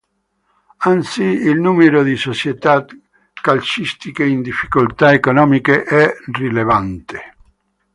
Anzi, il numero di società calcistiche in difficoltà economiche è rilevante.